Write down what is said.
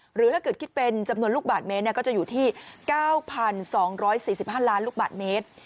หรือถ้าเกิดคิดเป็นจำนวนลูกบาทเมตรก็จะอยู่ที่๙๒๔๕ล้านลูกบาทเมตร